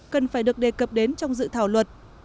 cần phải được đề cập đến trong dự thảo luật